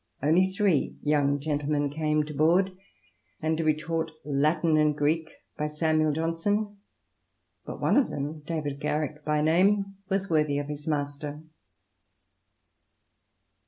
Only three young gentlemen came to board, and to be taught Latin and Greek by Samuel Johnson ; but one of them, David Garrick by name, was worthy of his master.